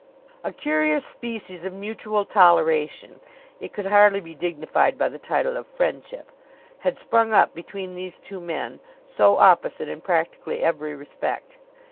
A curious species of mutual toleration it could hardly be dignified by the title of friendship had sprung up between these two men, so opposite in practically every respect.